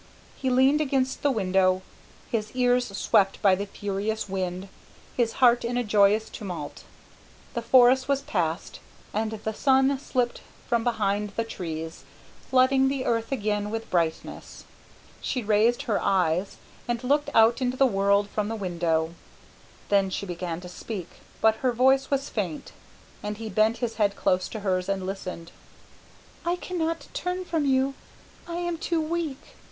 He leaned against the window, his ears swept by the furious wind, his heart in a joyous tumult. The forest was passed, and the sun slipped from behind the trees, flooding the earth again with brightness. She raised her eyes and looked out into the world from the window. Then she began to speak, but her voice was faint, and he bent his head close to hers and listened. "I cannot turn from you; I am too weak.